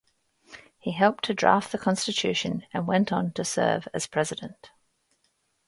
He helped to draft the constitution and went on to serve as President.